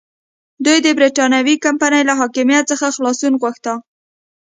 دوی د برېټانوي کمپنۍ له حاکمیت څخه خلاصون غوښته.